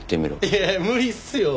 いやいや無理っすよ！